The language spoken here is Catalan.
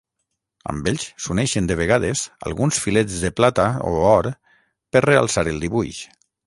Amb ells, s'uneixen de vegades, alguns filets de plata o or per realçar el dibuix.